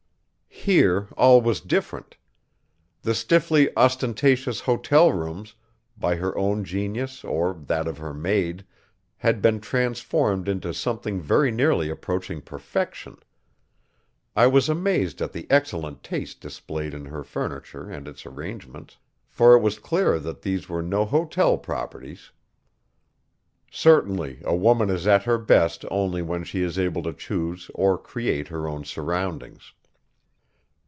Here all was different. The stiffly ostentatious hotel rooms, by her own genius or that of her maid, had been transformed into something very nearly approaching perfection. I was amazed at the excellent taste displayed in her furniture and its arrangement, for it was clear that these were no hotel properties. Certainly a woman is at her best only when she is able to choose or create her own surroundings.